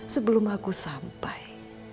sebelum aku sampai